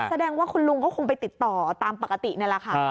แสดงว่าคุณลุงก็คงไปติดต่อตามปกตินี่แหละค่ะ